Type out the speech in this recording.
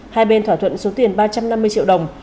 hai bên thỏa thuận số tiền ba trăm năm mươi triệu đồng